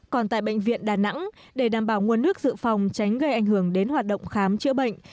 còn tại bệnh viện đà nẵng để đảm bảo nguồn nước dự phòng tránh gây ảnh hưởng đến hoạt động khám chữa bệnh